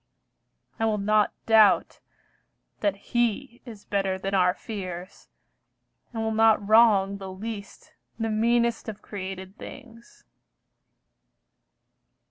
I will not doubt that He Is better than our fears, and will not wrong The least, the meanest of created things.